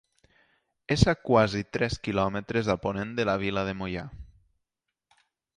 És a quasi tres quilòmetres a ponent de la vila de Moià.